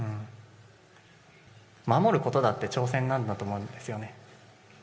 守ることだって挑戦なんだと思うんですよね。